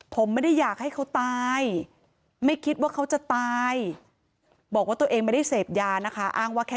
ผมไม่ได้อยากให้เขาตายไม่คิดว่าเขาจะตายบอกว่าตัวเองไม่ได้เสพยานะคะอ้างว่าแค่